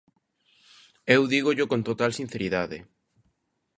Eu dígollo con total sinceridade.